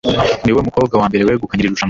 Niwe mukobwa wa mbere wegukanye iri rushanwa